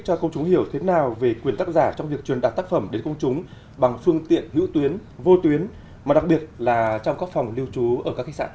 cho công chúng hiểu thế nào về quyền tác giả trong việc truyền đặt tác phẩm đến công chúng bằng phương tiện hữu tuyến vô tuyến mà đặc biệt là trong các phòng lưu trú ở các khách sạn